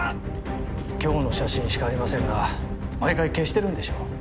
今日の写真しかありませんが毎回消してるんでしょう。